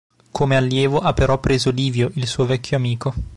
Come allievo ha però preso Livio, il suo vecchio amico.